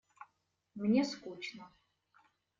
Мне скучно.